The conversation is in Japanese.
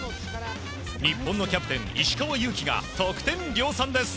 日本のキャプテン石川祐希が得点量産です。